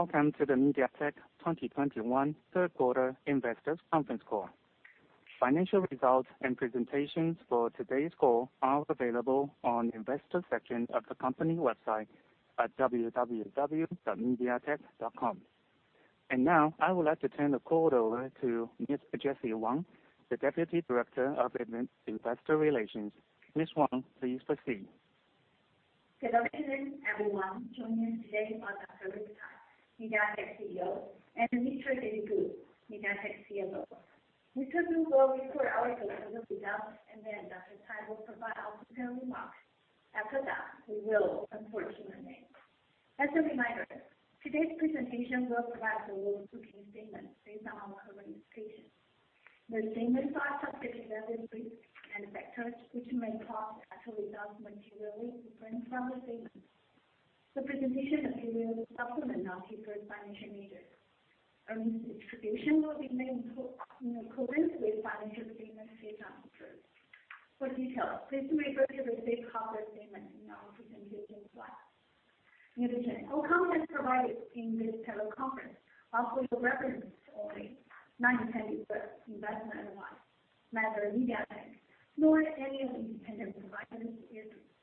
Welcome to the MediaTek 2021 third quarter investors conference call. Financial results and presentations for today's call are available on investor section of the company website at www.mediatek.com. Now I would like to turn the call over to Miss Jessie Wang, the Deputy Director of Investor Relations. Miss Wang, please proceed. Good afternoon, everyone. Joining today are Dr. Rick Tsai, MediaTek Chief Executive Officer, and Mr. David Ku, MediaTek Chief Financial Officer. Mr. Ku will report our third quarter results, and then Dr. Tsai will provide opening remarks. After that, we will open for Q&A. As a reminder, today's presentation will provide forward-looking statements based on our current expectations. These statements are subject to various risks and factors which may cause actual results materially different from the statements. The presentation supplements non-GAAP financial measures. Earnings distribution will be made in accordance with financial statements based on the group. For details, please refer to the safe harbor statement in our presentation slides. In addition, all content provided in this teleconference are for your reference only, not intended as investment advice. Neither MediaTek nor any of its independent providers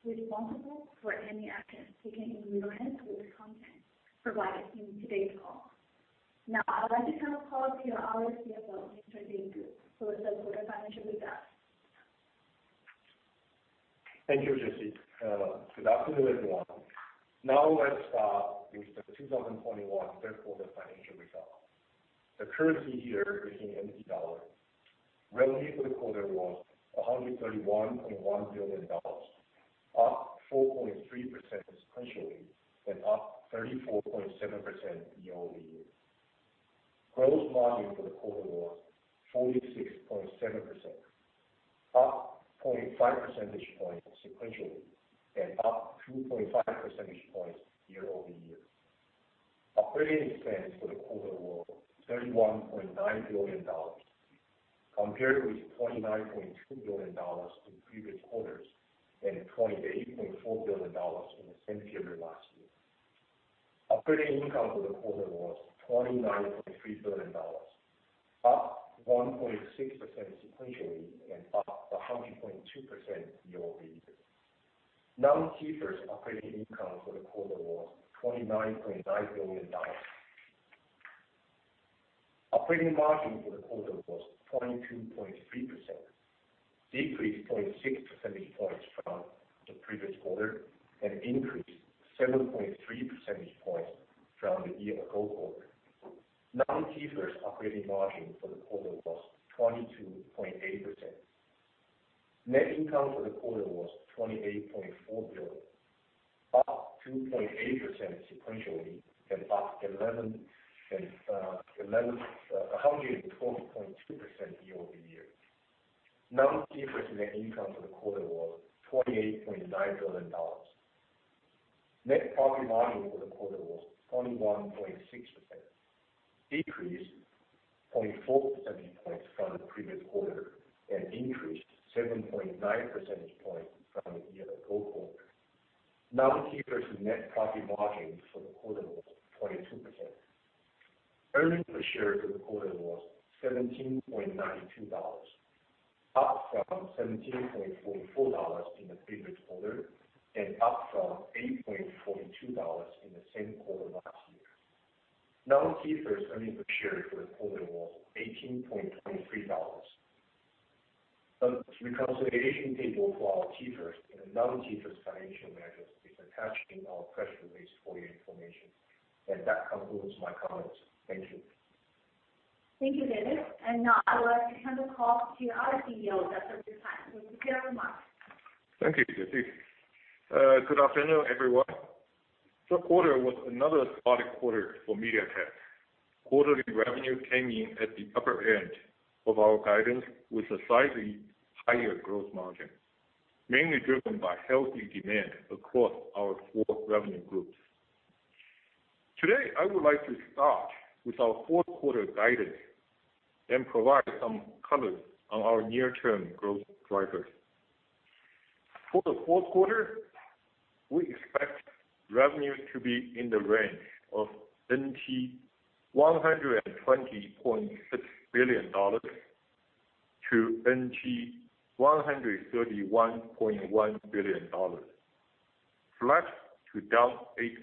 is responsible for any action taken in reliance on the content provided in today's call. Now I would like to turn the call to our Chief Financial Officer, Mr. David Ku, for the third quarter financial results. Thank you, Jessie. Good afternoon, everyone. Now let's start with the 2021 third quarter financial results. The currency here is in NT dollar. Revenue for the quarter was TWD 131.1 billion, up 4.3% sequentially and up 34.7% year-over-year. Gross margin for the quarter was 46.7%, up 0.5 percentage points sequentially and up 2.5 percentage points year-over-year. Operating expense for the quarter was 31.9 billion dollars compared with 29.2 billion dollars in previous quarters, and 28.4 billion dollars in the same period last year. Operating income for the quarter was TWD 29.3 billion, up 1.6% sequentially and up 100.2% year-over-year. non-GAAP operating income for the quarter was 29.9 billion dollars. Operating margin for the quarter was 22.3%, decreased 0.6 percentage points from the previous quarter and increased 7.3 percentage points from the year ago quarter. Non-GAAP operating margin for the quarter was 22.8%. Net income for the quarter was TWD 28.4 billion, up 2.8% sequentially and up 112.2% year-over-year. Non-GAAP net income for the quarter was TWD 28.9 billion. Net profit margin for the quarter was 21.6%, decreased 0.4 percentage points from the previous quarter and increased 7.9 percentage points from the year ago quarter. Non-GAAP net profit margin for the quarter was 22%. Earnings per share for the quarter was 17.92 dollars, up from 17.44 dollars in the previous quarter, and up from 8.42 dollars in the same quarter last year. Non-GAAP earnings per share for the quarter was TWD 18.23. A reconciliation table for our GAAP and non-GAAP financial measures is attached in our press release for your information. That concludes my comments. Thank you. Thank you, David. Now I would like to turn the call to our Chief Executive Officer, Dr. Rick Tsai, for his remarks. Thank you, Jessie. Good afternoon, everyone. Third quarter was another solid quarter for MediaTek. Quarterly revenue came in at the upper end of our guidance with a slightly higher growth margin, mainly driven by healthy demand across our four revenue groups. Today, I would like to start with our fourth quarter guidance and provide some color on our near-term growth drivers. For the fourth quarter, we expect revenue to be in the range of NT 120.6 billion-NT 131.1 billion. Flat to down 8%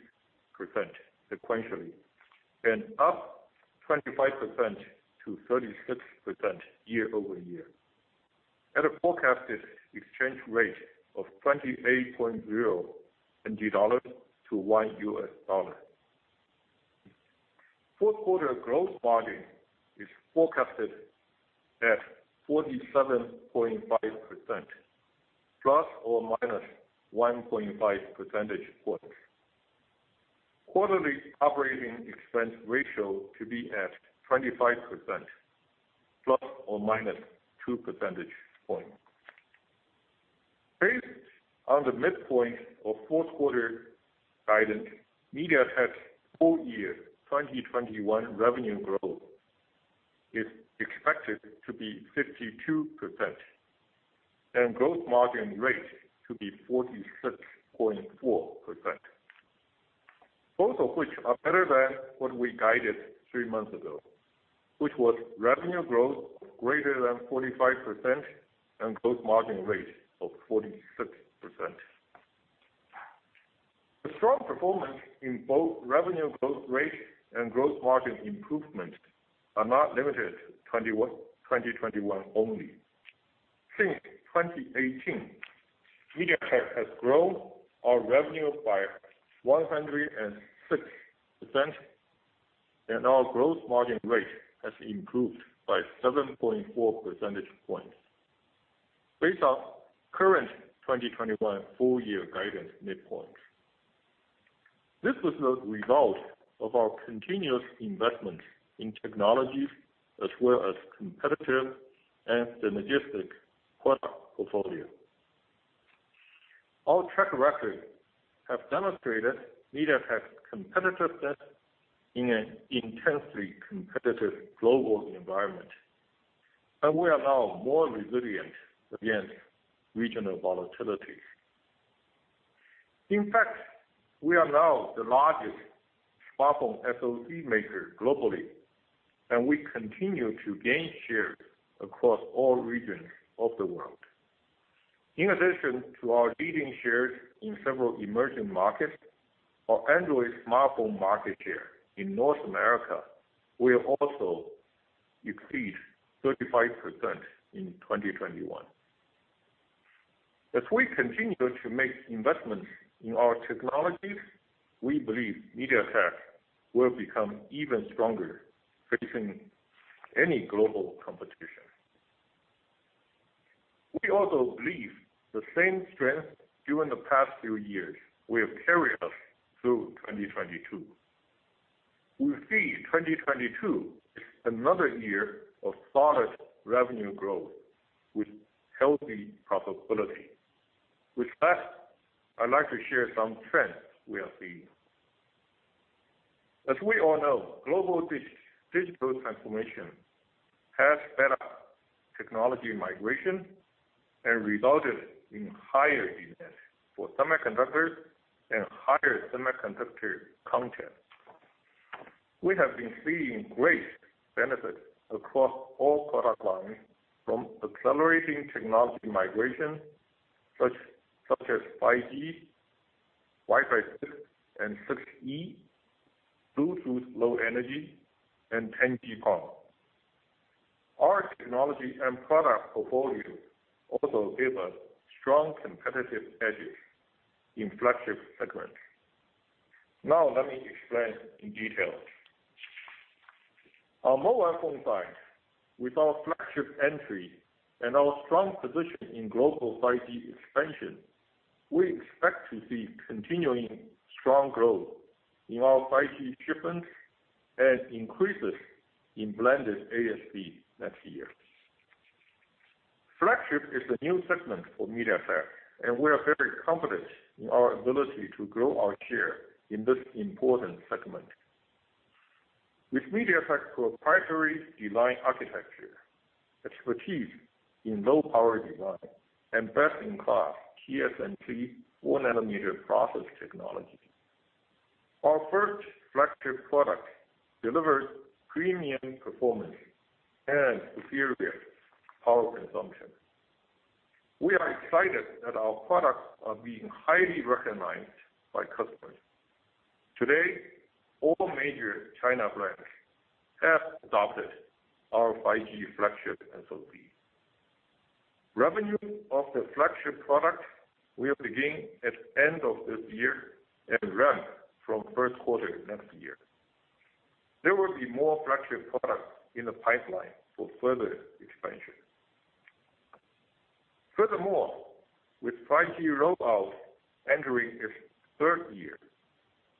sequentially and up 25%-36% year-over-year at a forecasted exchange rate of NT 28.0 dollars to $1, fourth quarter growth margin is forecasted at 47.5%, ± 1.5 percentage points. Quarterly operating expense ratio to be at 25%, ±2 percentage points. Based on the midpoint of fourth quarter guidance, MediaTek full year 2021 revenue growth is expected to be 52% and gross margin rate to be 46.4%. Both of which are better than what we guided three months ago, which was revenue growth greater than 45% and gross margin rate of 46%. The strong performance in both revenue growth rate and gross margin improvement are not limited to 2021 only. Since 2018, MediaTek has grown our revenue by 106% and our gross margin rate has improved by 7.4 percentage points based on current 2021 full year guidance midpoint. This was the result of our continuous investment in technologies as well as competitive and synergistic product portfolio. Our track record have demonstrated MediaTek's competitiveness in an intensely competitive global environment, and we are now more resilient against regional volatility. In fact, we are now the largest smartphone SoC maker globally, and we continue to gain shares across all regions of the world. In addition to our leading shares in several emerging markets, our Android smartphone market share in North America will also exceed 35% in 2021. As we continue to make investments in our technologies, we believe MediaTek will become even stronger facing any global competition. We also believe the same strength during the past few years will carry us through 2022. We see 2022 as another year of solid revenue growth with healthy profitability. With that, I'd like to share some trends we are seeing. As we all know, global digital transformation has sped up technology migration and resulted in higher demand for semiconductors and higher semiconductor content. We have been seeing great benefits across all product lines from accelerating technology migration, such as 5G, Wi-Fi 6 and Wi-Fi 6E, Bluetooth Low Energy, and 10G-PON. Our technology and product portfolio also give us strong competitive edges in flagship segment. Now let me explain in detail. On mobile phone side, with our flagship entry and our strong position in global 5G expansion, we expect to see continuing strong growth in our 5G shipments and increases in blended ASP next year. Flagship is the new segment for MediaTek, and we are very confident in our ability to grow our share in this important segment. With MediaTek's proprietary design architecture, expertise in low power design, and best-in-class TSMC 4 nm process technology, our first flagship product delivers premium performance and superior power consumption. We are excited that our products are being highly recognized by customers. Today, all major China brands have adopted our 5G flagship SoC. Revenue of the flagship product will begin at end of this year and ramp from first quarter next year. There will be more flagship products in the pipeline for further expansion. Furthermore, with 5G rollout entering its third year,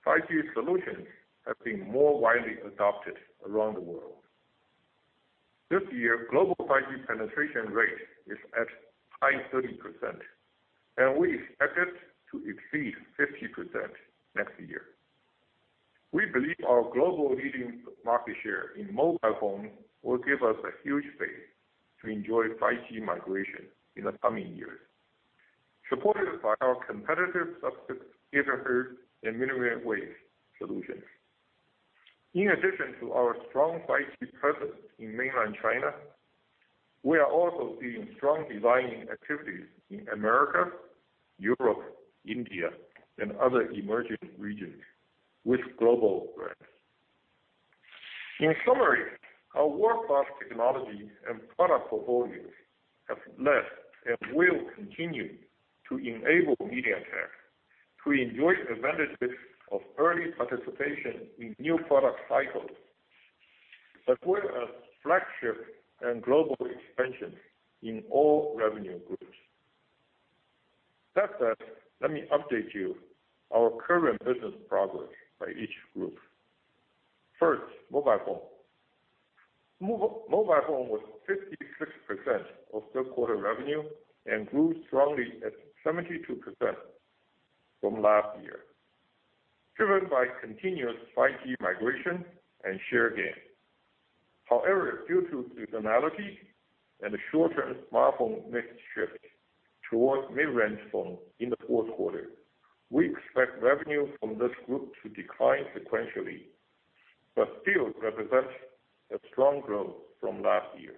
5G solutions have been more widely adopted around the world. This year, global 5G penetration rate is at high 30%, and we expect it to exceed 50% next year. We believe our global leading market share in mobile phone will give us a huge base to enjoy 5G migration in the coming years, supported by our competitive sub-6 GHz and millimeter wave solutions. In addition to our strong 5G presence in mainland China, we are also seeing strong design-in activities in America, Europe, India, and other emerging regions with global brands. In summary, our world-class technology and product portfolios have led and will continue to enable MediaTek to enjoy the benefits of early participation in new product cycles as well as flagship and global expansion in all revenue groups. That said, let me update you on our current business progress by each group. First, mobile phone. Mobile phone was 56% of third quarter revenue and grew strongly at 72% from last year. Driven by continuous 5G migration and share gain. However, due to seasonality and the short-term smartphone mix shift towards mid-range phone in the fourth quarter, we expect revenue from this group to decline sequentially, but still represent a strong growth from last year.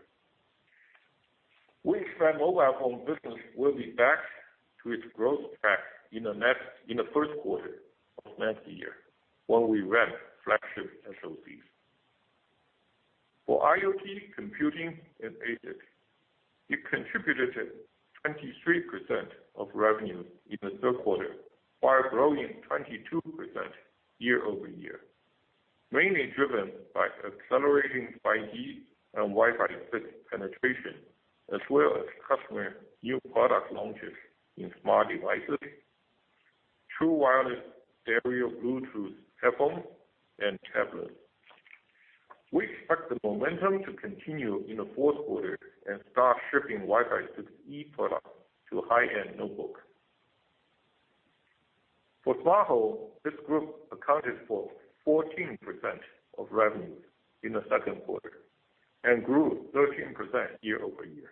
We expect mobile phone business will be back to its growth track in the first quarter of next year when we ramp flagship SoCs. For IoT computing and ASIC, it contributed 23% of revenue in the third quarter, while growing 22% year-over-year. Mainly driven by accelerating 5G and Wi-Fi 6 penetration, as well as customer new product launches in smart devices, true wireless stereo Bluetooth headphone and tablet. We expect the momentum to continue in the fourth quarter and start shipping Wi-Fi 6E products to high-end notebook. For smart home, this group accounted for 14% of revenue in the second quarter and grew 13% year-over-year.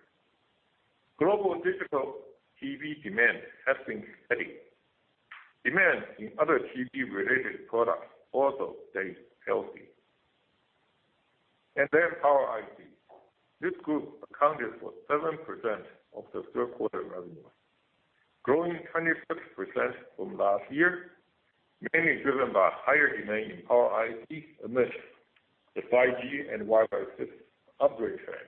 Global digital TV demand has been steady. Demand in other TV related products also stays healthy. Power IC. This group accounted for 7% of the third quarter revenue, growing 26% from last year, mainly driven by higher demand in power IC amidst the 5G and Wi-Fi 6 upgrade trend.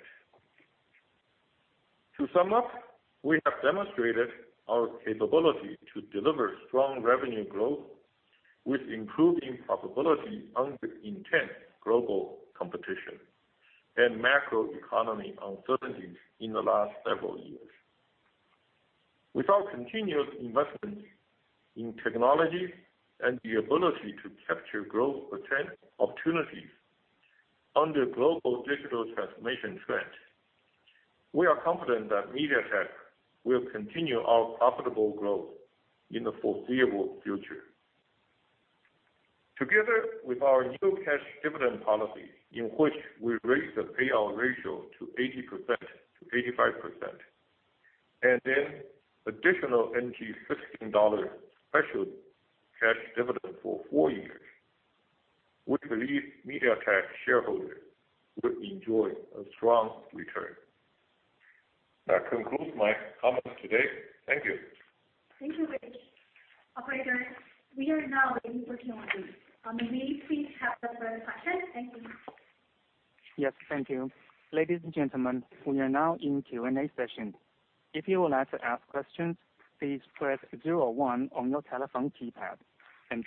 To sum up, we have demonstrated our capability to deliver strong revenue growth with improving profitability under intense global competition and macro economy uncertainties in the last several years. With our continuous investment in technology and the ability to capture growth opportunities under global digital transformation trend, we are confident that MediaTek will continue our profitable growth in the foreseeable future. Together with our new cash dividend policy, in which we raise the payout ratio to 80%-85%, and then additional TWD 15 special cash dividend for four years, we believe MediaTek shareholders will enjoy a strong return. That concludes my comments today. Thank you. Thank you, Rick Tsai. Operator, we are now ready for Q&A. May you please have the first question? Thank you. Yes, thank you. Ladies and gentlemen, we are now in Q&A session. If you would like to ask questions, please press zero one on your telephone keypad.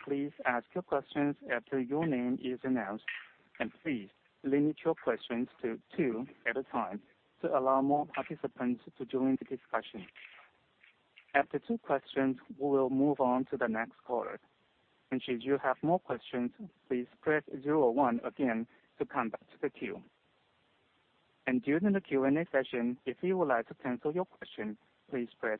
Please ask your questions after your name is announced. Please limit your questions to two at a time to allow more participants to join the discussion. After two questions, we will move on to the next caller. Should you have more questions, please press zero one again to come back to the queue. During the Q&A session, if you would like to cancel your question, please press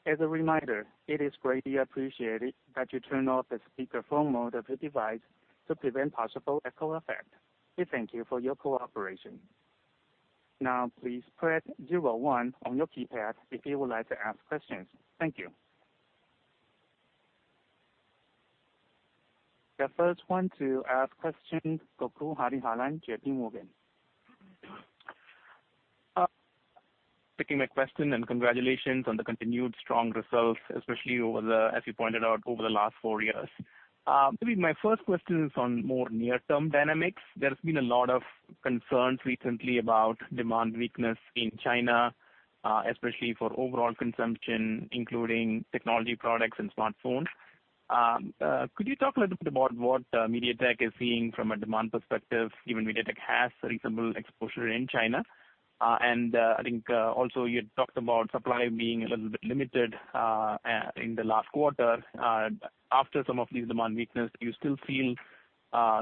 zero two. As a reminder, it is greatly appreciated that you turn off the speaker phone mode of your device to prevent possible echo effect. We thank you for your cooperation. Now, please press zero one on your keypad if you would like to ask questions. Thank you. The first one to ask question, Gokul Hariharan, JPMorgan. Thank you for taking my question and congratulations on the continued strong results, especially over the last four years. Maybe my first question is on more near-term dynamics. There's been a lot of concerns recently about demand weakness in China, especially for overall consumption, including technology products and smartphones. Could you talk a little bit about what MediaTek is seeing from a demand perspective, given MediaTek has reasonable exposure in China? I think also you talked about supply being a little bit limited in the last quarter. After some of these demand weakness, do you still feel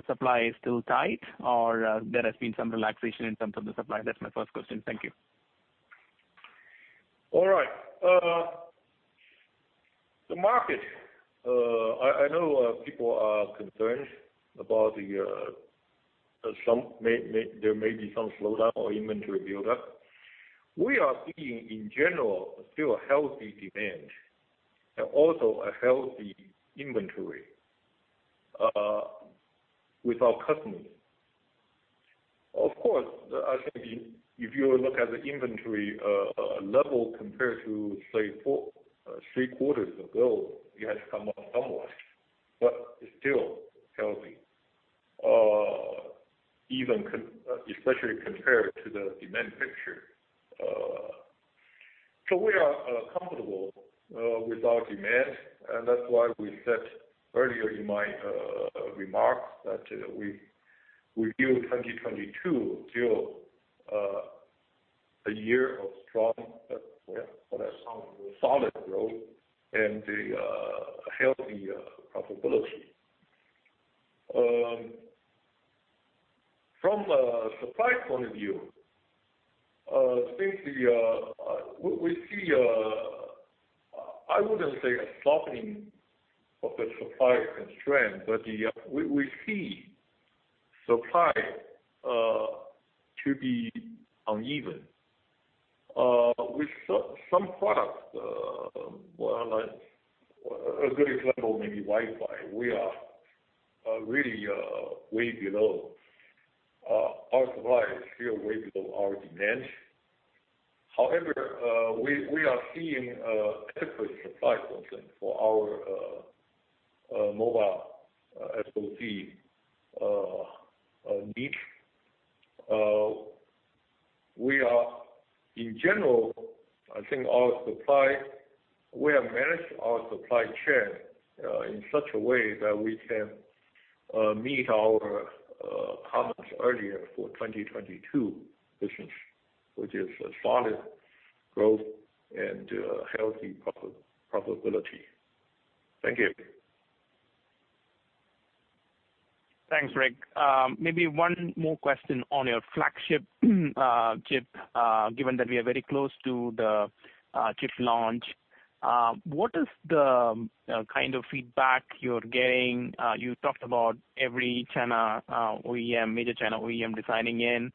supply is still tight or there has been some relaxation in terms of the supply? That's my first question. Thank you. All right. The market. I know people are concerned. There may be some slowdown or inventory buildup. We are seeing, in general, still a healthy demand and also a healthy inventory with our customers. Of course, I think if you look at the inventory level compared to, say, three or four quarters ago, it has come up somewhat, but it's still healthy, especially compared to the demand picture. We are comfortable with our demand. That's why we said earlier in my remarks that we view 2022 still a year of strong solid growth and a healthy profitability. From a supply point of view, I think we see. I wouldn't say a softening of the supply constraint, but we see supply to be uneven. With some products, well, like, a good example may be Wi-Fi. We are really way below. Our supply is still way below our demand. However, we are seeing adequate supply for things, for our mobile SoC niche. In general, I think our supply, we have managed our supply chain in such a way that we can meet our commitments earlier for 2022 visions, which is a solid growth and healthy profitability. Thank you. Thanks, Rick. Maybe one more question on your flagship chip. Given that we are very close to the chip launch, what is the kind of feedback you're getting? You talked about every China OEM, major China OEM designing in.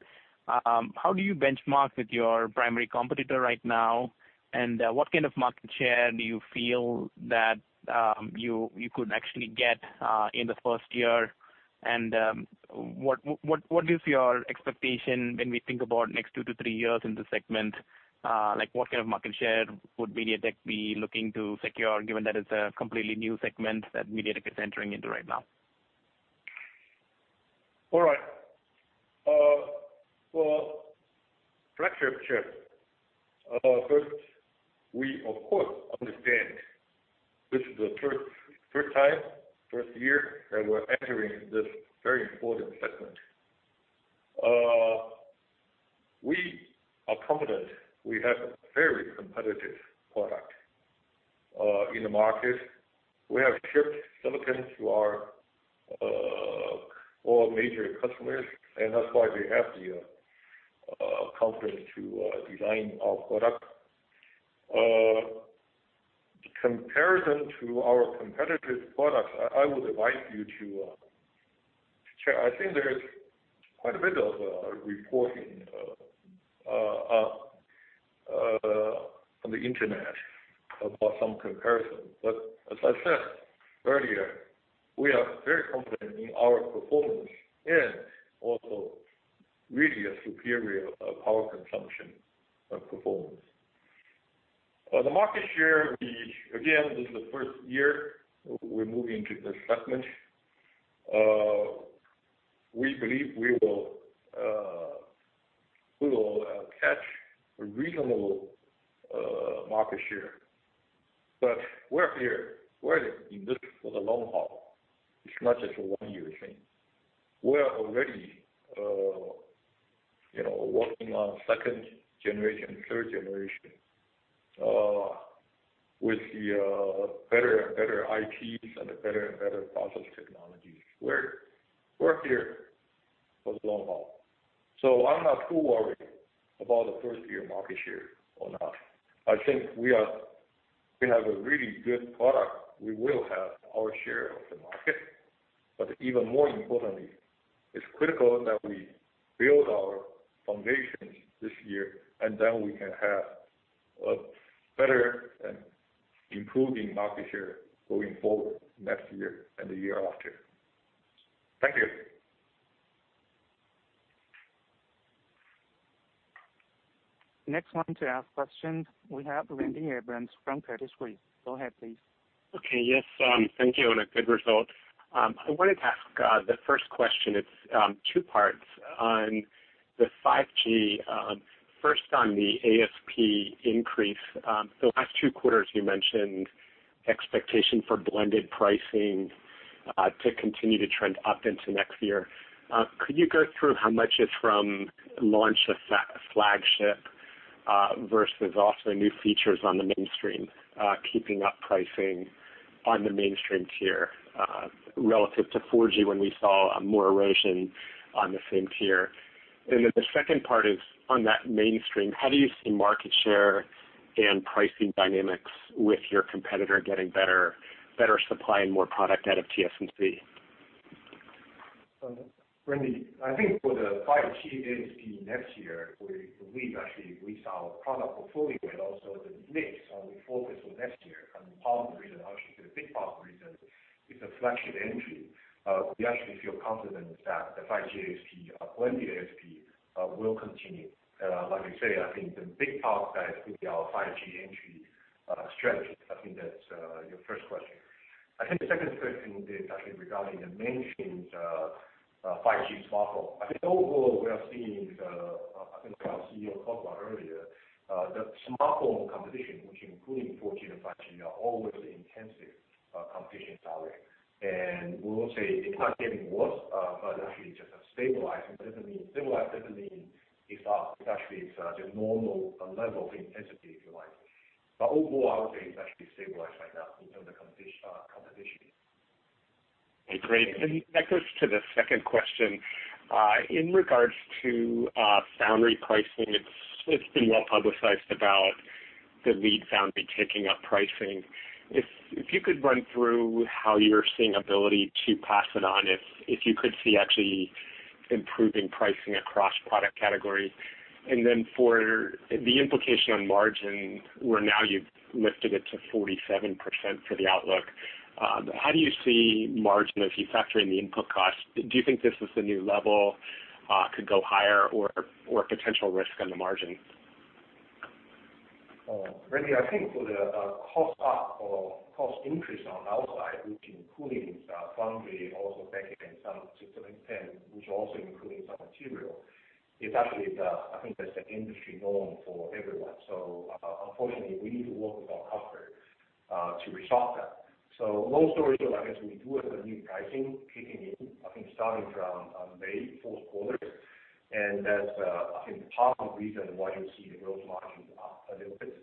How do you benchmark with your primary competitor right now? What kind of market share do you feel that you could actually get in the first year? What is your expectation when we think about next two to three years in this segment? Like, what kind of market share would MediaTek be looking to secure, given that it's a completely new segment that MediaTek is entering into right now? All right. Well, flagship chip, first, we of course understand this is the first year that we're entering this very important segment. We are confident we have a very competitive product in the market. We have shipped silicon to all our major customers, and that's why they have the confidence to design our product. Comparison to our competitors' products, I would advise you to check. I think there is quite a bit of reporting on the internet about some comparison. As I said earlier, we are very confident in our performance and also really a superior power consumption performance. The market share, we again, this is the first year we're moving to this segment. We believe we will catch a reasonable market share. We're here. We're in this for the long haul as much as a one-year thing. We are already, you know, working on second generation, third generation, with the better and better IPs and better and better process technologies. We're here for the long haul. I'm not too worried about the first-year market share or not. I think we are. We have a really good product. We will have our share of the market. Even more importantly, it's critical that we build our foundations this year, and then we can have a better and improving market share going forward next year and the year after. Thank you. Next one to ask questions, we have Randy Abrams from Credit Suisse. Go ahead, please. Yes. Thank you on a good result. I wanted to ask the first question. It's two parts. On the 5G, first on the ASP increase. The last two quarters you mentioned expectation for blended pricing to continue to trend up into next year. Could you go through how much is from launch of flagship versus also new features on the mainstream, keeping up pricing on the mainstream tier relative to 4G when we saw more erosion on the same tier? Then the second part is on that mainstream, how do you see market share and pricing dynamics with your competitor getting better supply and more product out of TSMC? Randy, I think for the 5G ASP next year, we believe actually with our product portfolio and also the mix, we focus on next year. Part of the reason, actually the big part of the reason is the flagship entry. We actually feel confident that the 5G ASP, blended ASP, will continue. Like I say, I think the big part that will be our 5G entry, strategy. I think that's your first question. I think the second question is actually regarding the mainstream, 5G smartphone. I think overall, we are seeing, I think our Chief Executive Officer talked about earlier, the smartphone competition, which including 4G and 5G, are always intensive, competition out there. We won't say it's not getting worse, but actually just have stabilized. Stabilized doesn't mean it's actually the normal level of intensity, if you like. Overall, I would say it's actually stabilized right now in terms of competition. Okay, great. That goes to the second question. In regards to foundry pricing, it's been well-publicized about the leading foundry taking up pricing. If you could run through how you're seeing ability to pass it on, if you could see actually improving pricing across product category. Then for the implication on margin, where now you've lifted it to 47% for the outlook, how do you see margin if you factor in the input cost? Do you think this is the new level, could go higher or potential risk on the margin? Oh, Randy, I think for the cost up or cost increase on the outside, which includes the foundry also packaging in some, to some extent, which also includes some material. It's actually I think that's an industry norm for everyone. Unfortunately, we need to work with our customer to resolve that. So long story short, I guess we do have a new pricing kicking in, I think starting from May, fourth quarter. That's I think part of the reason why you see the gross margin up a little bit.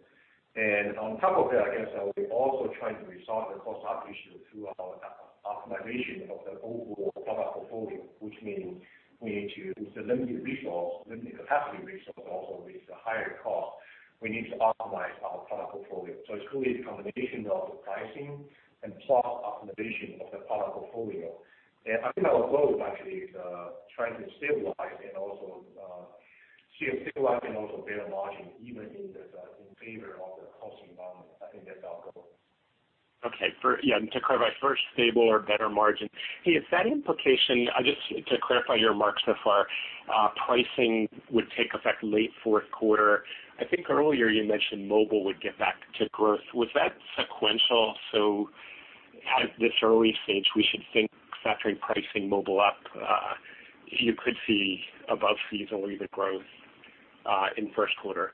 On top of that, I guess we're also trying to resolve the cost up issue through our optimization of the overall product portfolio, which means we need with the limited resource, limited capacity resource, but also with the higher cost, we need to optimize our product portfolio. It's really a combination of the pricing and product optimization of the product portfolio. I think our goal is actually trying to stabilize and also see a stabilized and also better margin even in this in a favorable cost environment. I think that's our goal. To clarify, first stable or better margin. Hey, is that the implication, just to clarify your remarks so far, pricing would take effect late fourth quarter. I think earlier you mentioned mobile would get back to growth. Was that sequential? At this early stage, we should think factoring pricing mobile up, if you could see above seasonally the growth in first quarter.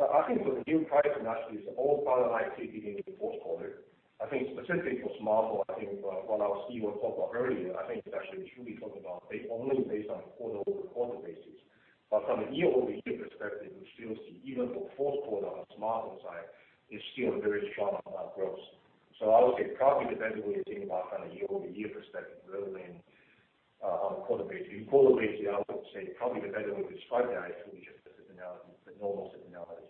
I think with the new pricing, actually, it's all product lines we see beginning in the fourth quarter. I think specifically for smartphone, I think what our Chief Executive Officer talked about earlier, I think it actually should be talking about based only on quarter-over-quarter basis. From a year-over-year perspective, we still see even for fourth quarter on smartphone side is still very strong on that growth. I would say probably the best way to think about from a year-over-year perspective rather than on a quarter basis. On quarter basis, I would say probably the best way to describe that is really just the seasonality, the normal seasonality.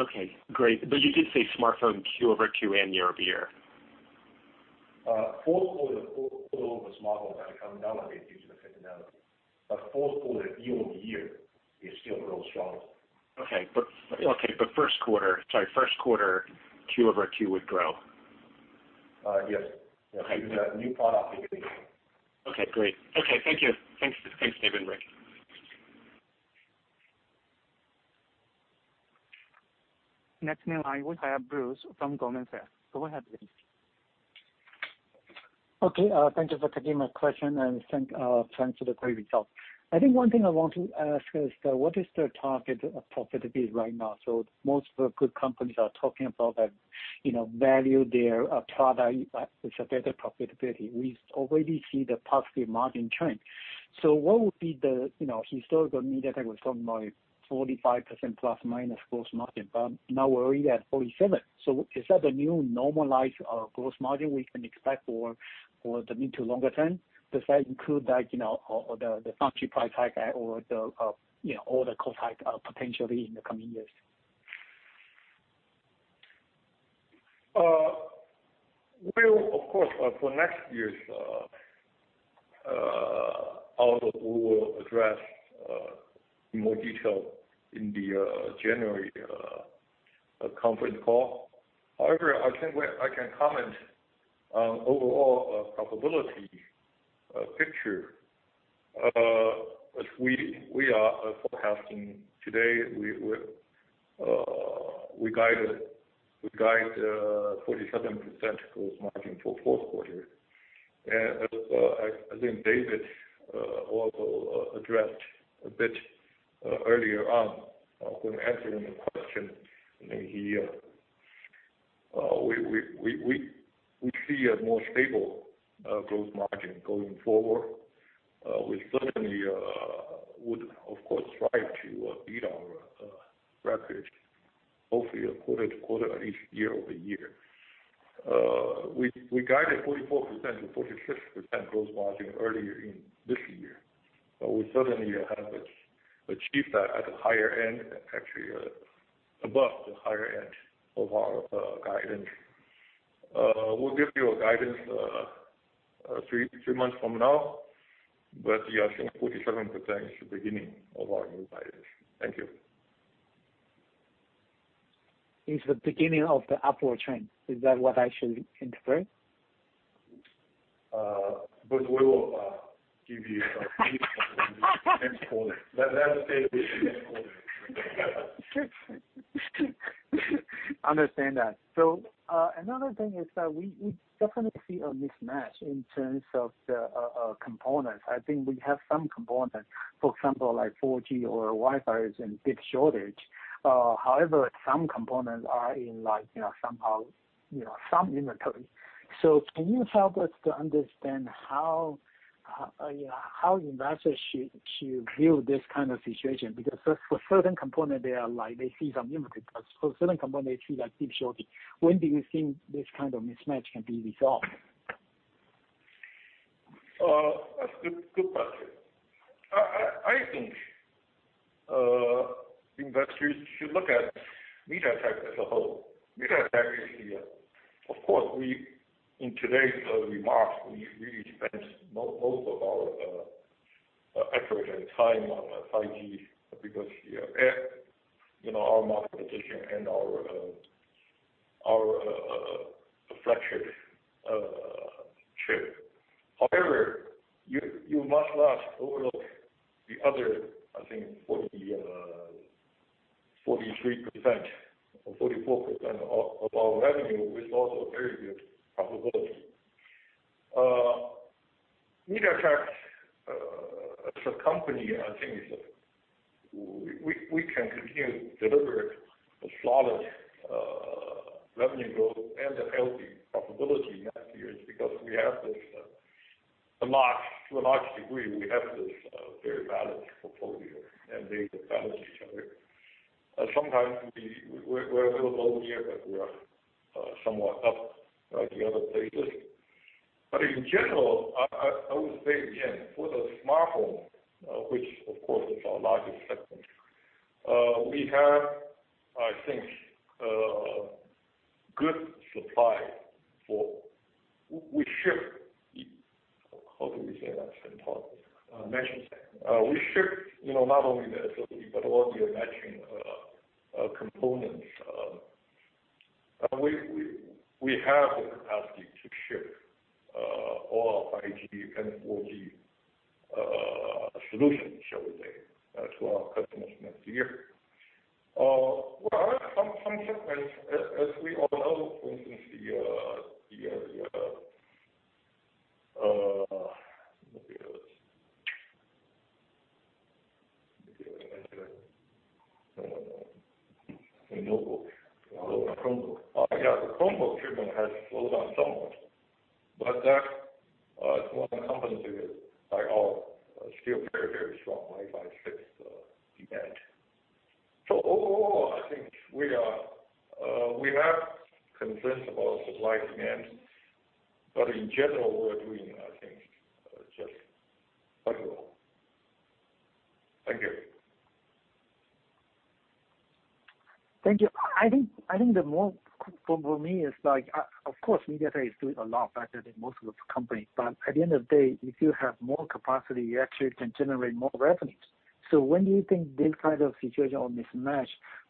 Okay, great. You did say smartphone quarter-over-quarter and year-over-year. Fourth quarter QoQ smartphone is going to come down a bit due to the seasonality. Fourth quarter year-over-year is still grow strongly. First quarter Q over Q would grow. Yes. Okay. With the new product beginning. Okay, great. Okay, thank you. Thanks. Thanks, David and Rick. Next in line, we have Bruce from Goldman Sachs. Go ahead, please. Okay, thank you for taking my question, and thanks for the great results. I think one thing I want to ask is, what is the target of profitability right now? Most of the good companies are talking about that, you know, value their product with a better profitability. We already see the positive margin trend. What would be the, you know, historical MediaTek? We're talking about 45% plus or minus gross margin, but now we're already at 47%. Is that the new normalized, gross margin we can expect for the mid to longer term? Does that include like, you know, the foundry price hike or the, you know, all the cost hike, potentially in the coming years? We will, of course, for next year's outlook, we will address in more detail in the January conference call. However, I can comment on overall profitability picture. As we are forecasting today, we guide 47% gross margin for fourth quarter. As I think David also addressed a bit earlier on when answering the question, I think we see a more stable gross margin going forward. We certainly would of course try to beat our records hopefully quarter to quarter and each year-over-year. We guided 44%-46% gross margin earlier in this year, but we certainly have achieved that at the higher end and actually above the higher end of our guidance. We'll give you a guidance three months from now, but yeah, I think 47% is the beginning of our new guidance. Thank you. It's the beginning of the upward trend. Is that what I should interpret? Bruce, we will give you some next quarter. Let us stay with next quarter. Understand that. Another thing is that we definitely see a mismatch in terms of the components. I think we have some components, for example, like 4G or Wi-Fi is in big shortage. However, some components are in like, you know, somehow, you know, some inventory. Can you help us to understand how, you know, how investors should view this kind of situation? Because for certain component they are like, they see some inventory, but for certain component they see that deep shortage. When do you think this kind of mismatch can be resolved? That's a good question. I think investors should look at MediaTek as a whole. MediaTek is, of course, in today's remarks, we really spent most of our effort and time on 5G because, you know, our market position and our flagship chip. However, you must not overlook the other, I think, 43% or 44% of our revenue, which is also very good profitability. MediaTek, as a company, I think we can continue to deliver a solid revenue growth and a healthy profitability next year because, to a large degree, we have this very balanced portfolio, and they balance each other. Sometimes we're a little low here, but we are somewhat up at the other places. In general, I would say again, for the smartphone, which of course is our largest segment, we have, I think, good supply. We ship. How do we say that, We ship, you know, not only the SoC, but all the matching components. We have the capacity to ship all our 5G and 4G solutions, shall we say, to our customers next year. Some segments, as we all know, for instance, the Chromebook shipment has slowed down somewhat, but that is more than compensated by our still very strong Wi-Fi chips demand. Overall, I think we have concerns about supply-demand, but in general, we are doing, I think, quite well. Thank you. Thank you. I think the more for me is like, of course, MediaTek is doing a lot better than most of the companies. At the end of the day, if you have more capacity, you actually can generate more revenues. When do you think this kind of situation or mismatch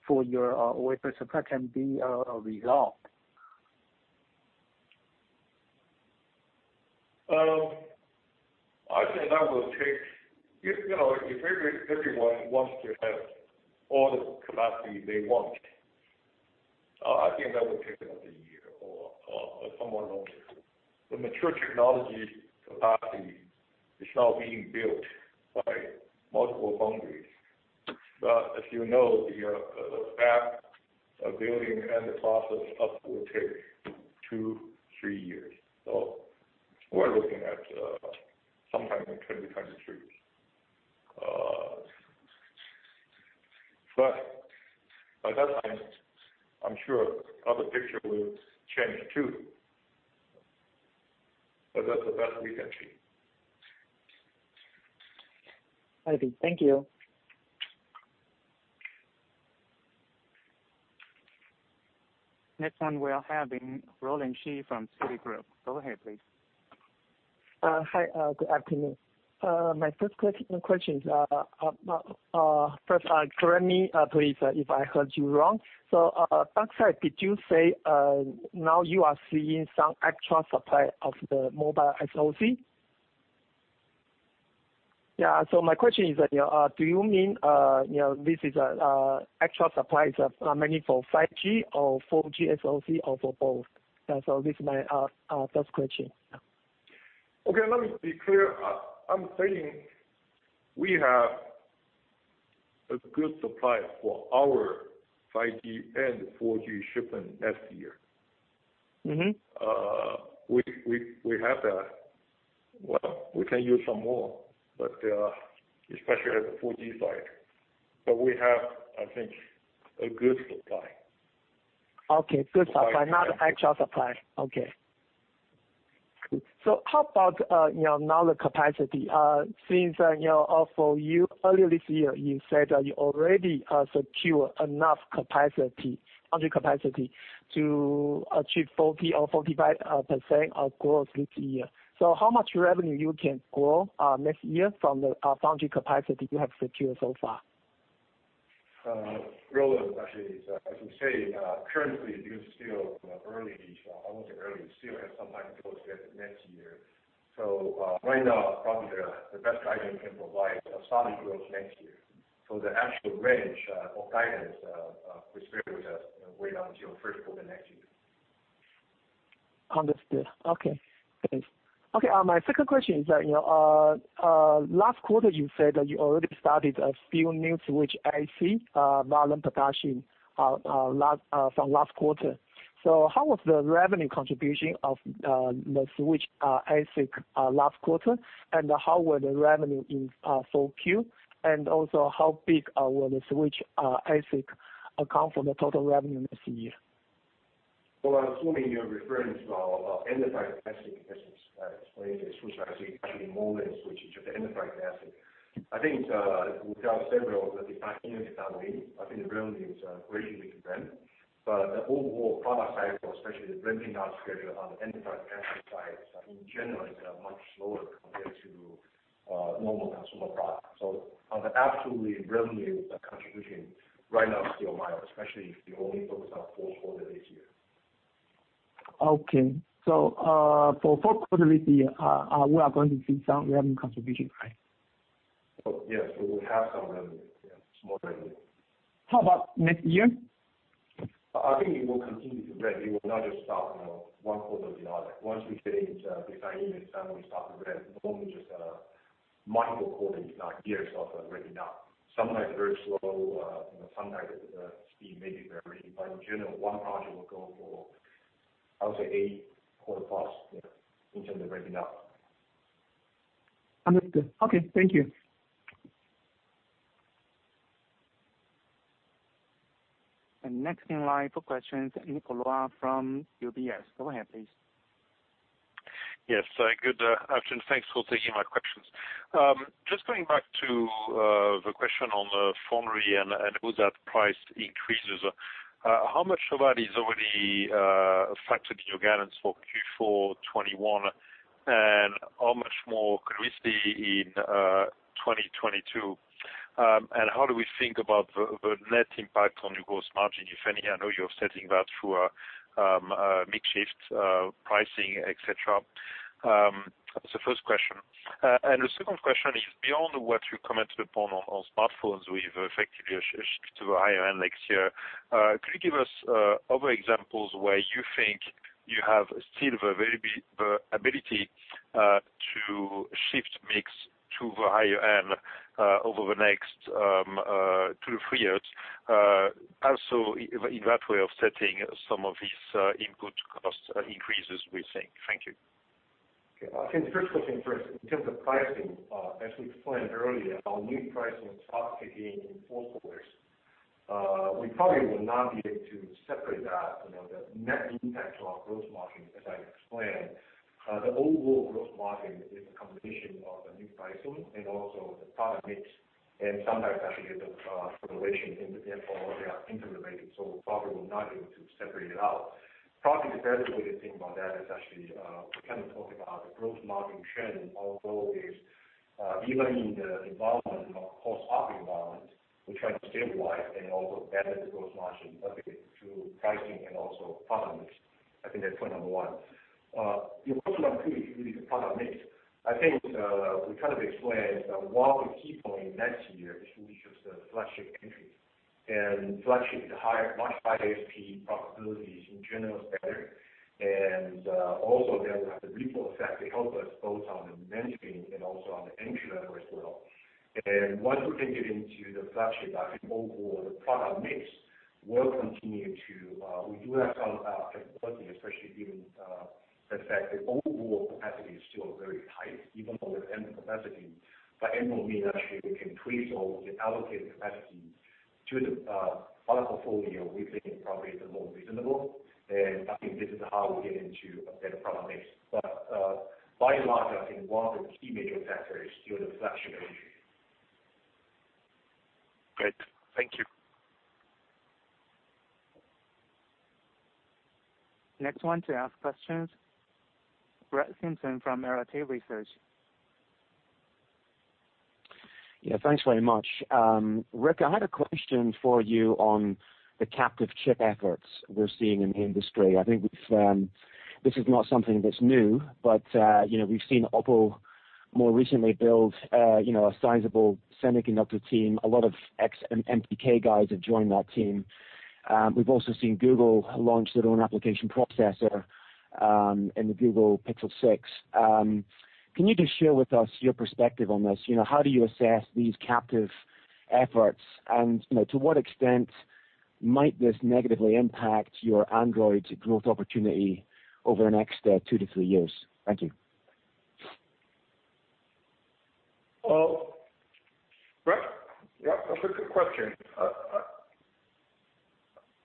for your wafer supply can be resolved? I think that will take. If you know, if everyone wants to have all the capacity they want, I think that will take another year or somewhat longer. The mature technology capacity is now being built by multiple foundries. As you know, the fab building and the process up will take two to three years. We're looking at sometime in 2023. By that time, I'm sure other picture will change, too. That's the best we can see. Thank you. Next one, we are having Roland Shu from Citigroup. Go ahead, please. Hi. Good afternoon. Correct me please if I heard you wrong. Rick Tsai, did you say now you are seeing some extra supply of the mobile SoC? Yeah. My question is that, you know, do you mean, you know, this is extra supplies are mainly for 5G or 4G SoC or for both? This is my first question. Yeah. Okay. Let me be clear. I'm saying we have a good supply for our 5G and 4G shipment next year. We have that. Well, we can use some more, but especially at the 4G side. We have, I think, a good supply. Okay. Good supply, not actual supply. Okay. How about, you know, now the capacity, since, you know, earlier this year, you said that you already secure enough capacity, 100% capacity to achieve 40% or 45% of growth this year. How much revenue you can grow next year from the foundry capacity you have secured so far? Roland, actually, as we say, currently, it is still early. It still has some time to go till next year. Right now, probably the best guidance we can provide is a solid growth next year. The actual range or guidance, please bear with us and wait until first quarter next year. Understood. Okay. Thanks. Okay. My second question is that, you know, last quarter, you said that you already started a few new switch ASIC volume production from last quarter. How was the revenue contribution of the switch ASIC last quarter? And how will the revenue in 4Q? And also, how big will the switch ASIC account for the total revenue next year? Well, I'm assuming you're referring to our enterprise segment as explained in switch ASIC actually more in switch to the enterprise segment. I think the revenue is greatly due to them. The overall product cycle, especially the ramping up schedule on the enterprise segment side in general is much slower compared to normal consumer products. The absolute revenue contribution right now is still mild, especially if you only focus on fourth quarter this year. Okay. For fourth quarter this year, we are going to see some revenue contribution, right? Oh, yes, we will have some revenue. Yes, small revenue. How about next year? I think it will continue to ramp. It will not just stop, you know, one quarter or the other. Once we get into designing and suddenly start to ramp, normally just multiple quarters, if not years of ramping up. Sometimes very slow, you know, sometimes the speed may be very, but in general, one project will go for, I would say, eight quarters plus, yeah, in terms of ramping up. Understood. Okay. Thank you. Next in line for questions, Nicolas from UBS. Go ahead, please. Yes. Good afternoon. Thanks for taking my questions. Just going back to the question on the foundry and with that price increases, how much of that is already factored in your guidance for Q4 2021, and how much more could we see in 2022? How do we think about the net impact on your gross margin, if any? I know you're offsetting that through mix shift, pricing, etc. That's the first question. The second question is beyond what you commented upon on smartphones where you've effectively shifted to a higher end next year. Could you give us other examples where you think you have still the ability to shift mix to the higher end over the next two to three years, also in that way offsetting some of these input cost increases we're seeing? Thank you. Okay. I think the first question first, in terms of pricing, as we explained earlier, our new pricing starts kicking in fourth quarters. We probably will not be able to separate that, you know, the net impact to our gross margin as I explained. The overall gross margin is a combination of the new pricing and also the product mix, and sometimes actually the fluctuation in the FX, they are interrelated, so probably we're not able to separate it out. Probably the best way to think about that is actually we kind of talk about the gross margin trend, although is even in the environment of post-COVID environment, we try to stabilize and also benefit the gross margin a bit through pricing and also product mix. I think that's point number one. Your question on two is really the product mix. I think we kind of explained one of the key point next year is really just the flagship entry. Flagship, the higher, much higher ASP profitability is in general better. Also then we have the ripple effect to help us both on the mainstream and also on the entry-level as well. Once we can get into the flagship, I think overall the product mix will continue to. We do have some capability, especially given the fact the overall capacity is still very tight, even though the end capacity. It will mean actually we can tweak or we can allocate capacity to the product portfolio we think probably is the most reasonable. I think this is how we get into a better product mix. By and large, I think one of the key major factor is still the flagship entry. Great. Thank you. Next one to ask questions, Brett Simpson from Arete Research. Yeah. Thanks very much. Rick, I had a question for you on the captive chip efforts we're seeing in the industry. I think we've, this is not something that's new, but, you know, we've seen OPPO more recently build, you know, a sizable semiconductor team. A lot of ex MTK guys have joined that team. We've also seen Google launch their own application processor, in the Google Pixel 6. Can you just share with us your perspective on this? You know, how do you assess these captive efforts? You know, to what extent might this negatively impact your Android growth opportunity over the next, two to three years? Thank you. Well, Brett, yeah, that's a good question.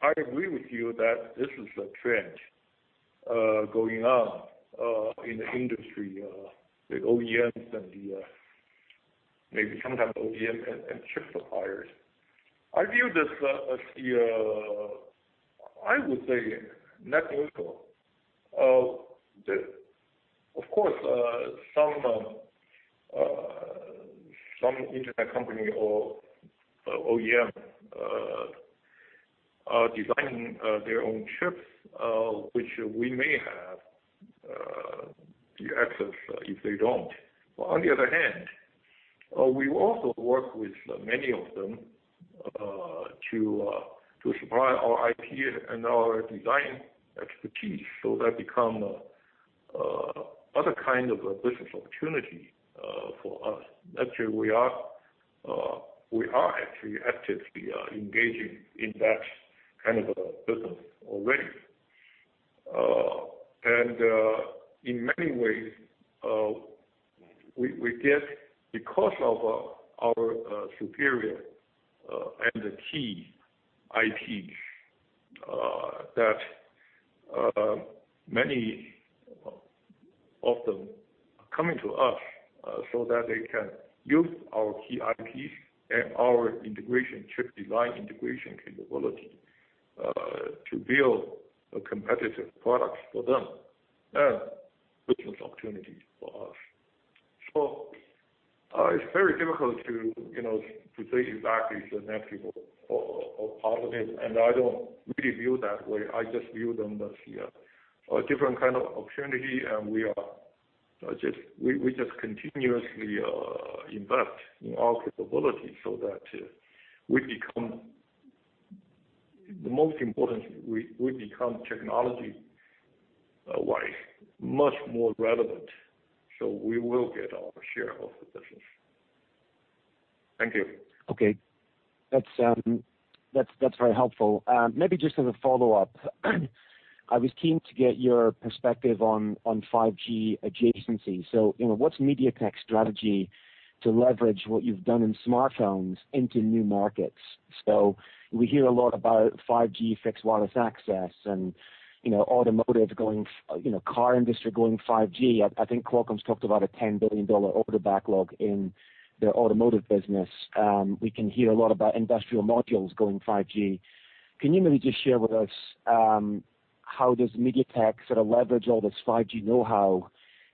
I agree with you that this is a trend going on in the industry, the OEMs and maybe sometimes OEM and chip suppliers. I view this as, I would say, net neutral. Of course, some internet company or OEM are designing their own chips, which we may have access if they don't. On the other hand, we also work with many of them to supply our IP and our design expertise so that become other kind of a business opportunity for us. Actually, we are actively engaging in that kind of a business already. In many ways, we get because of our superior and the key IP that many of them are coming to us so that they can use our key IPs and our integration chip design, integration capability to build competitive products for them and business opportunities for us. It's very difficult, you know, to say exactly the net impact or part of it. I don't really view it that way. I just view them as, yeah, a different kind of opportunity and we just continuously invest in our capability so that we become the most important. We become technology-wise much more relevant, so we will get our share of the business. Thank you. Okay. That's very helpful. Maybe just as a follow-up, I was keen to get your perspective on 5G adjacency. You know, what's MediaTek's strategy to leverage what you've done in smartphones into new markets? We hear a lot about 5G fixed wireless access and, you know, automotive, car industry going 5G. I think Qualcomm's talked about a $10 billion order backlog in their automotive business. We hear a lot about industrial modules going 5G. Can you maybe just share with us how does MediaTek sort of leverage all this 5G know-how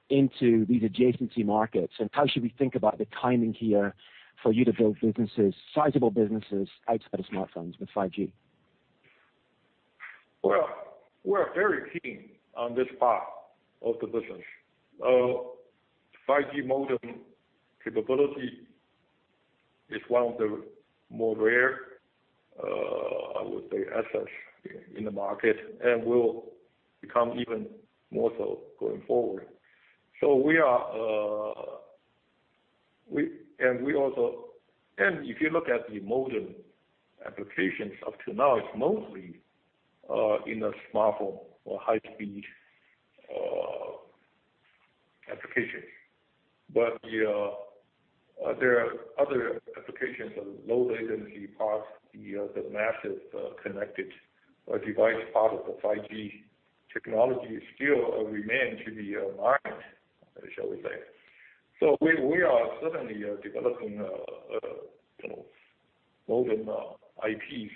into these adjacency markets? How should we think about the timing here for you to build businesses, sizable businesses, outside of smartphones with 5G? Well, we're very keen on this part of the business. 5G modem capability is one of the more rare, I would say, assets in the market, and will become even more so going forward. If you look at the modem applications up to now, it's mostly in a smartphone or high-speed application. There are other applications of low latency parts. The massive connected device part of the 5G technology is still remain to be mined, shall we say. We are certainly developing you know modem IPs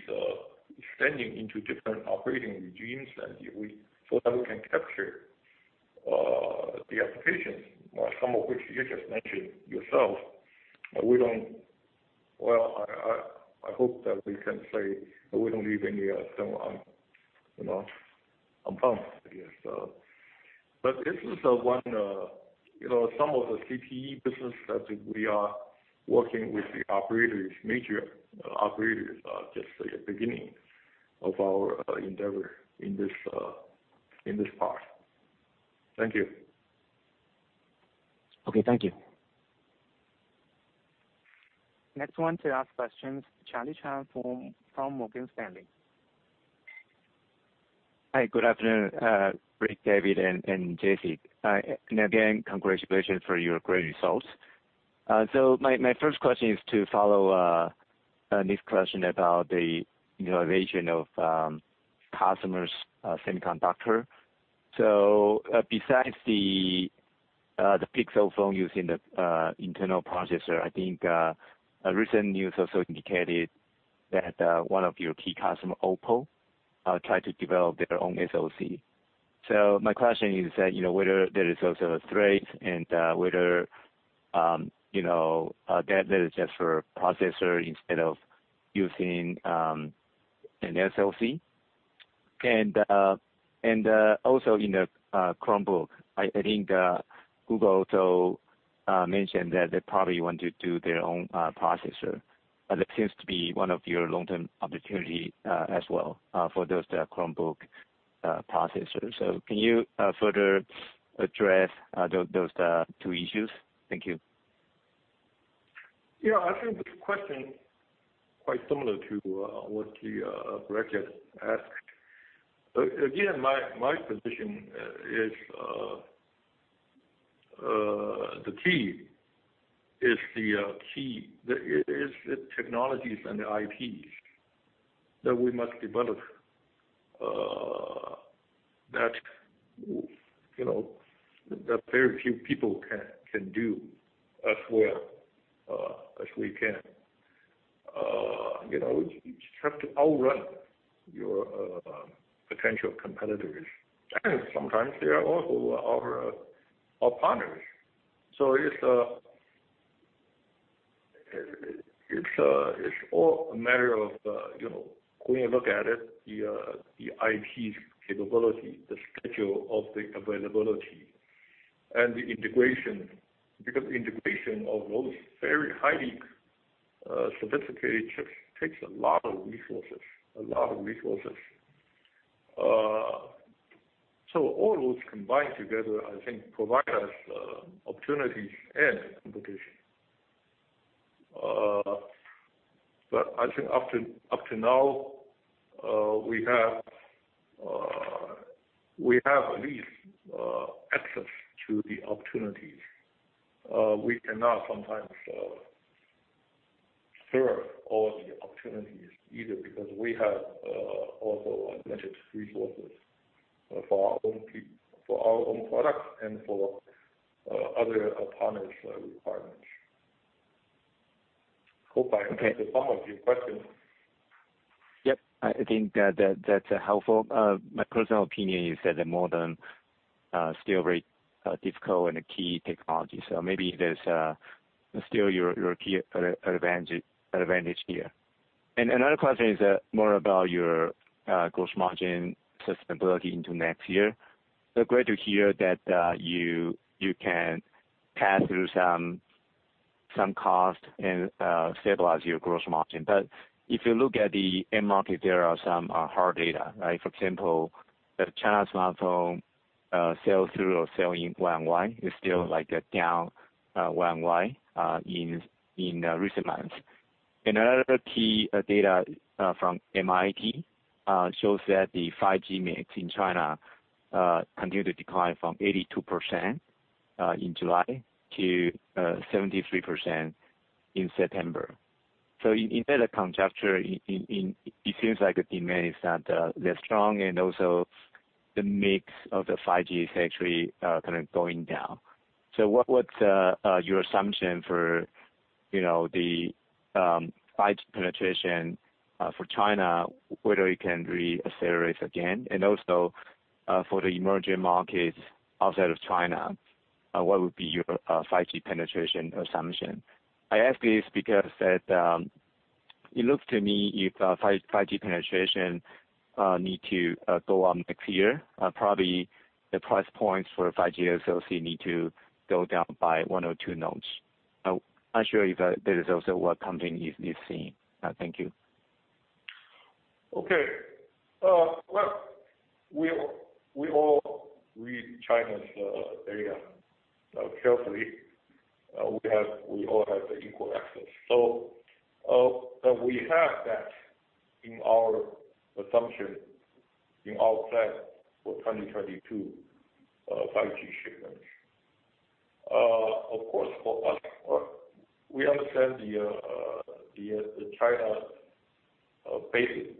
extending into different operating regimes so that we can capture the applications some of which you just mentioned yourself. Well, I hope that we can say we don't leave any stone unturned, you know. Yeah. This is one, you know, some of the CPE business that we are working with the major operators, just the beginning of our endeavor in this part. Thank you. Okay. Thank you. Next one to ask questions, Charlie Chan from Morgan Stanley. Hi. Good afternoon, Rick, David, and Jessie. Again, congratulations for your great results. My first question is to follow on this question about the innovation of customers semiconductor. Besides the Pixel phone using the internal processor, I think a recent news also indicated that one of your key customer, OPPO, tried to develop their own SoC. My question is that, you know, whether there is also a threat and whether you know that there is just for processor instead of using an SoC. Also in the Chromebook, I think Google also mentioned that they probably want to do their own processor. It seems to be one of your long-term opportunity, as well, for those, the Chromebook processor. Can you further address those, the two issues? Thank you. Yeah. I think this question is quite similar to what Brett just asked. Again, my position is the key is the technologies and the IPs that we must develop, that you know that very few people can do as well as we can. You know, you just have to outrun your potential competitors. Sometimes they are also our partners. It's all a matter of you know when you look at it, the IP's capability, the schedule of the availability and the integration. Because integration of those very highly sophisticated chips takes a lot of resources. All those combined together, I think provide us opportunities and competition. I think up to now we have at least access to the opportunities. We cannot sometimes serve all the opportunities either because we have also limited resources for our own for our own products and for other partners' requirements. Hope I answered some of your questions. Yep. I think that's helpful. My personal opinion is that the modem still very difficult and a key technology. Maybe there's still your key advantage here. Another question is more about your gross margin sustainability into next year. Great to hear that you can pass through some costs and stabilize your gross margin. If you look at the end market, there are some hard data, right? For example, the China smartphone sell through or sell in year-on-year is still like down year-on-year in recent months. Another key data from MIIT shows that the 5G mix in China continued to decline from 82% in July to 73% in September. Instead of conjecture, it seems like the demand is not that strong, and also the mix of the 5G is actually kind of going down. What's your assumption for, you know, the 5G penetration for China, whether it can re-accelerate again? For the emerging markets outside of China, what would be your 5G penetration assumption? I ask this because it looks to me if 5G penetration need to go on next year, probably the price points for 5G SoC need to go down by one or two nodes. Not sure if that is also what company is seeing. Thank you. Okay. Well, we all read China's MIIT data carefully. We all have equal access. We have that in our assumption, in our plan for 2022, 5G shipments. Of course, for us, we understand the China basic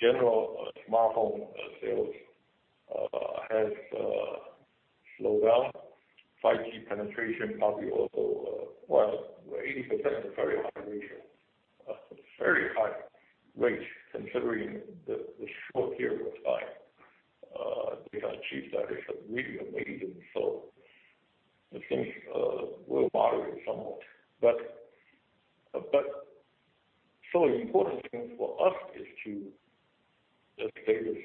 general smartphone sales has slowed down. 5G penetration probably also, while 80% is a very high ratio, a very high rate considering the short period of time they have achieved that. It's really amazing. It seems we're moderate somewhat. Important thing for us is to just say this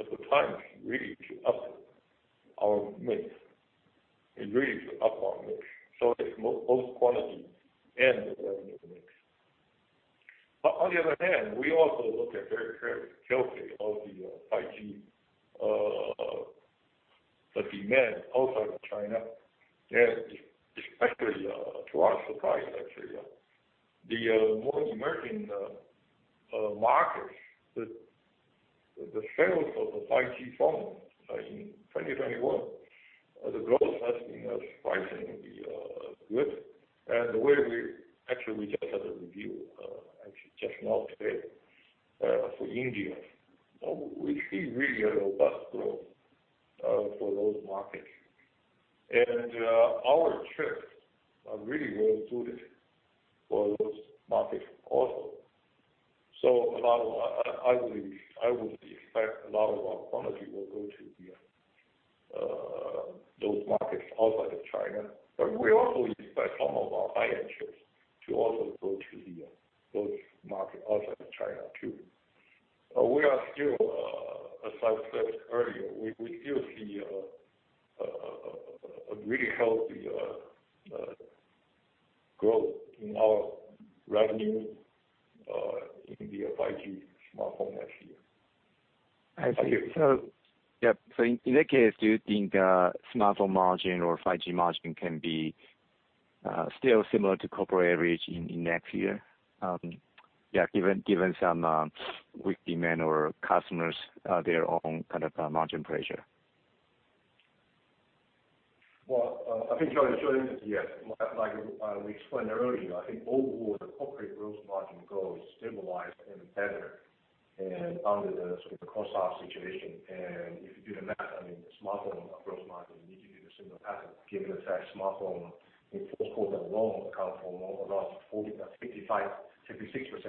at the time really to up our mix. It's both quality and the revenue mix. On the other hand, we also look very carefully at the 5G demand outside of China. Especially, to our surprise, actually, the more emerging markets, the sales of the 5G phone in 2021, the growth has been surprisingly good. Actually, we just had a review actually just now today for India. We see really robust growth for those markets. Our chips are really well suited for those markets also. I believe I would expect a lot of our quantity will go to those markets outside of China. We also expect some of our high-end chips to also go to those markets outside of China too. We are still, as I said earlier, we still see a really healthy growth in our revenue in the 5G smartphone next year. I see. Yep. In that case, do you think smartphone margin or 5G margin can be still similar to corporate average in next year, yeah, given some weak demand or customers their own kind of margin pressure? Well, I think the short answer is yes. Like we explained earlier, I think overall the corporate gross margin growth stabilized and better under the sort of cost off situation. If you do the math, I mean, the smartphone gross margin need to be the same as that, given the fact smartphone in fourth quarter alone account for more around 55%, 56%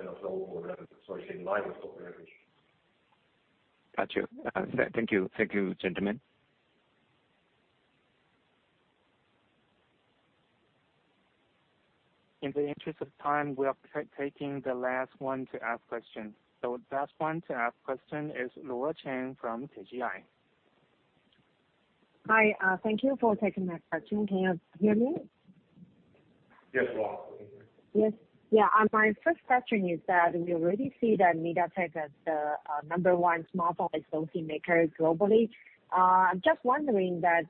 of the overall revenue. It's in line with corporate average. Got you. Thank you. Thank you, gentlemen. In the interest of time, we are taking the last one to ask question. Last one to ask question is Luo Chen from TGI. Hi, thank you for taking my question. Can you hear me? Yes, Luo. My first question is that we already see that MediaTek is the number one smartphone SoC maker globally. I'm just wondering that,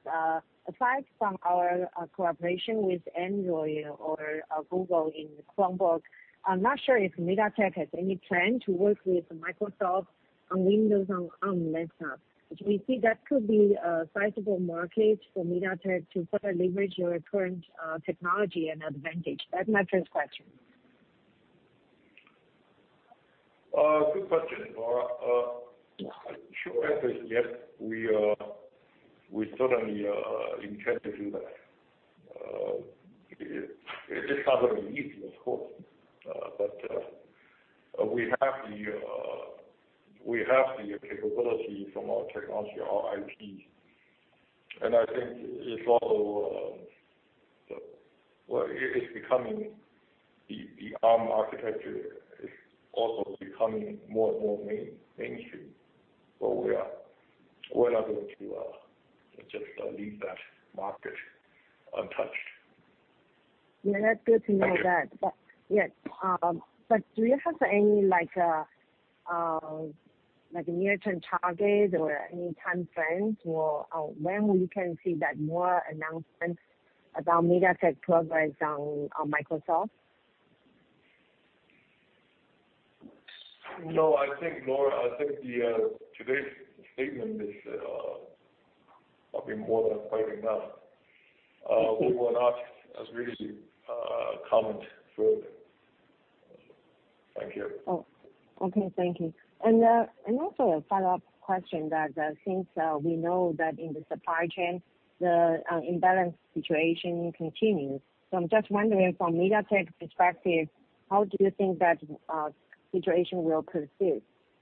aside from our cooperation with Android or Google in Chromebook, I'm not sure if MediaTek has any plan to work with Microsoft on Windows on laptops. We see that could be a sizable market for MediaTek to further leverage your current technology and advantage. That's my first question. Good question, Luo. Short answer is, yes, we certainly intend to do that. It's just not going to be easy, of course. We have the capability from our technology, our IT, and I think it's also, well, the ARM architecture is also becoming more and more mainstream. We're not going to just leave that market untouched. Yeah, that's good to know that. Yeah, but do you have any like near-term target or any time frames or, when we can see that more announcements about MediaTek progress on Microsoft? No, I think, Luo, today's statement is probably more than quite enough. We will not, as usual, comment further. Thank you. Oh, okay. Thank you. Also a follow-up question that, since we know that in the supply chain, the imbalance situation continues. I'm just wondering from MediaTek's perspective, how do you think that situation will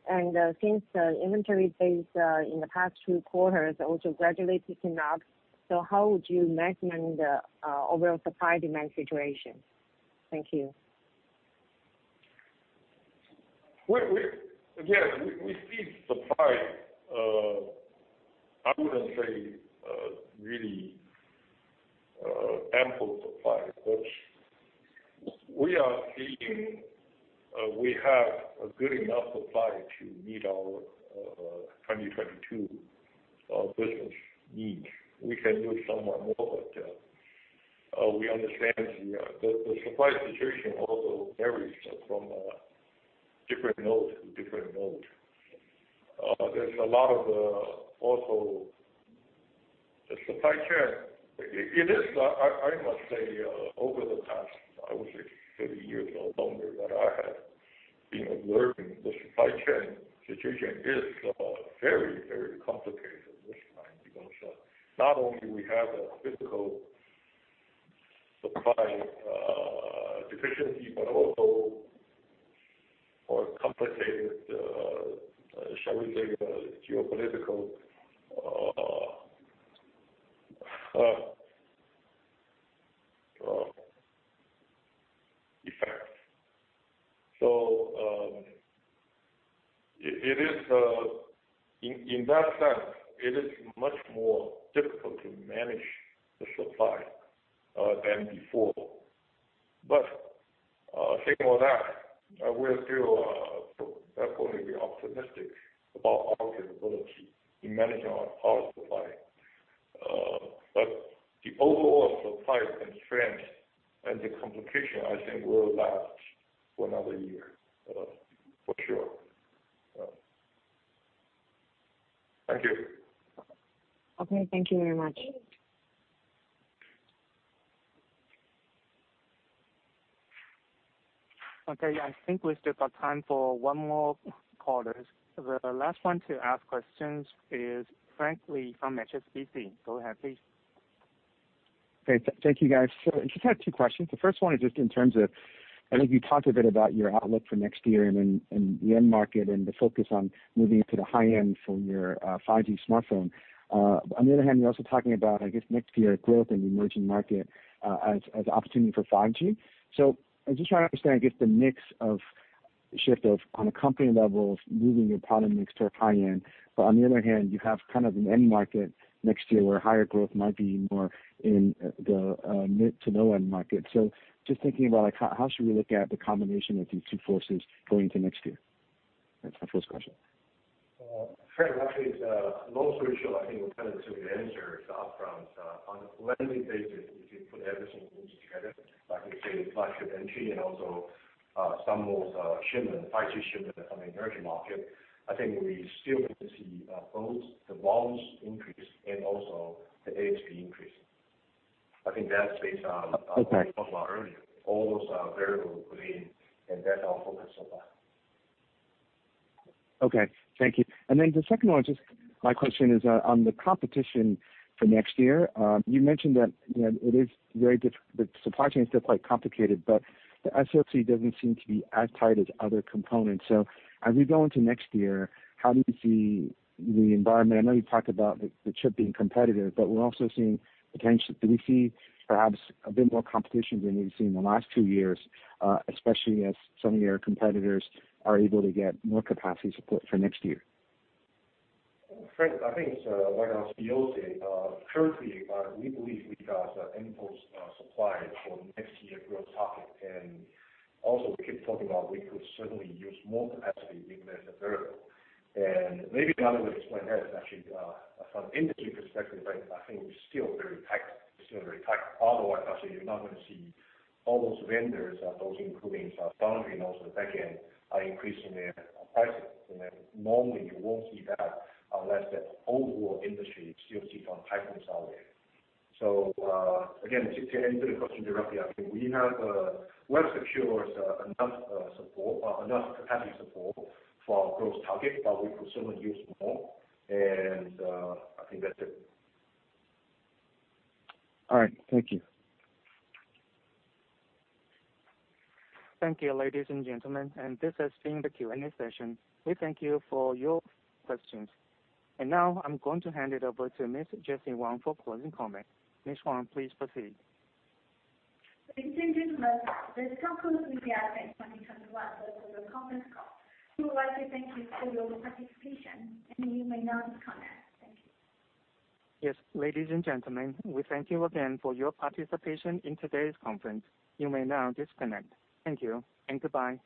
persist? Since the inventory days in the past two quarters also gradually ticking up, how would you manage overall supply-demand situation? Thank you. Again, we see supply. I wouldn't say really ample supply, but we are seeing we have a good enough supply to meet our 2022 business needs. We can do somewhat more, but we understand the supply situation also varies from different node to different node. There's a lot of also the supply chain. I must say, over the past, I would say 30 years or longer that I have been observing the supply chain situation is very, very complicated at this time, because not only do we have a physical supply deficiency, but also more complicated, shall we say, geopolitical effects. It is in that sense it is much more difficult to manage the supply than before. Saying all that, we're still definitely optimistic about our capability in managing our supply. The overall supply constraint and the complication I think will last for another year, for sure. Thank you. Okay, thank you very much. Okay. I think we still got time for one more caller. The last one to ask questions is Frank Lee from HSBC. Go ahead, please. Okay. Thank you, guys. I just have two questions. The first one is just in terms of, I think you talked a bit about your outlook for next year and then the end market and the focus on moving into the high-end for your 5G smartphone. On the other hand, you're also talking about, I guess, next year growth in emerging market as opportunity for 5G. I'm just trying to understand, I guess, the mix of shift of on a company level of moving your product mix to a high-end, but on the other hand, you have kind of an end market next year where higher growth might be more in the mid to low-end market. Just thinking about like how should we look at the combination of these two forces going into next year? That's my first question. Frank, actually it's long story short, I think we kind of took the answer upfront. On a planning basis, if you put everything together, like I say, and also some of shipment, 5G shipment from the emerging market, I think we still see both the volumes increase and also the ASP increase. I think that's based on. Okay. What we talked about earlier. All those variables put in, that's our focus so far. Okay. Thank you. The second one, just my question is, on the competition for next year. You mentioned that, you know, the supply chain is still quite complicated, but the SoC doesn't seem to be as tight as other components. As we go into next year, how do you see the environment? I know you talked about the chip being competitive, but we're also seeing potential. Do we see perhaps a bit more competition than we've seen in the last two years, especially as some of your competitors are able to get more capacity support for next year? Frank, I think it's like our Chief Executive Officer said, currently we believe we got ample supply for next year growth target. Also we keep talking about we could certainly use more capacity even as a variable. Maybe another way to explain that is actually from industry perspective, right? I think it's still very tight. Otherwise, I'll say you're not gonna see all those vendors, those including foundry and also the backend are increasing their prices. Normally you won't see that unless the overall industry still sits on high consumption. Again, to answer the question directly, I think we have well secured enough support, enough capacity support for our growth target, but we could certainly use more. I think that's it. All right. Thank you. Thank you, ladies and gentlemen. This has been the Q&A session. We thank you for your questions. Now I'm going to hand it over to Ms. Jessie Wang for closing comments. Ms. Wang, please proceed. Thank you. This concludes MediaTek's 2021 virtual conference call. We would like to thank you for your participation, and you may now disconnect. Thank you. Yes. Ladies and gentlemen, we thank you again for your participation in today's conference. You may now disconnect. Thank you and goodbye.